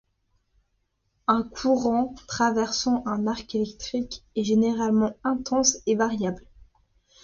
Un courant traversant un arc électrique est généralement intense et variable.